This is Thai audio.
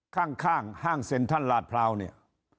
ข้างห้างเซ็นทรัลลาดพร้าวเนี่ย